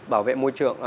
bảo vệ môi trường